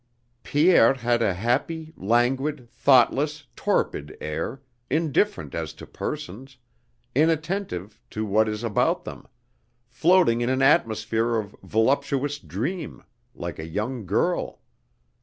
Pierre had a happy, languid, thoughtless, torpid air, indifferent as to persons, inattentive to what is about them, floating in an atmosphere of voluptuous dream, like a young girl.